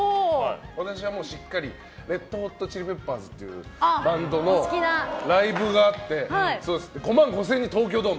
私はしっかりレッド・ホット・チリ・ペッパーズっていうバンドのライブがあって５万５０００人、東京ドーム。